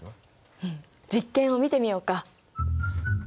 うん実験を見てみようか。